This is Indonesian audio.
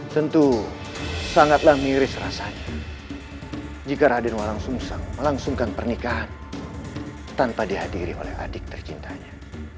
tentu sangatlah miris rasanya jika radin walang sumseng melangsungkan pernikahan tanpa dihadiri oleh adik tercintanya